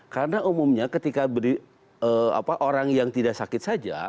karena umumnya ketika orang yang tidak sakit saja